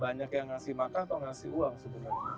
banyak yang ngasih makan atau ngasih uang sebenarnya